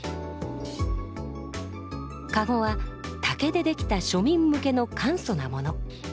駕籠は竹で出来た庶民向けの簡素なもの。